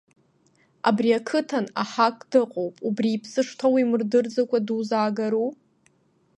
Абри ақыҭан аҳак дыҟоуп, убри иԥсы шҭоу имырдырӡакәа дузаагору?